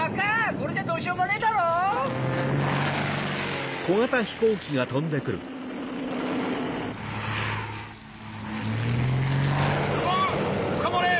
これじゃどうしようもねえだろ！ルパンつかまれ！